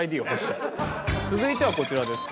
続いてはこちらです。